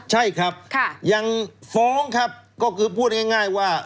ใช่ครับยังฟ้องครับก็คือพูดง่ายว่า